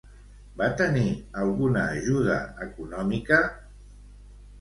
Va tenir alguna ajuda econòmica?